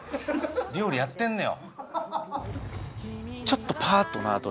料理やってんのよ！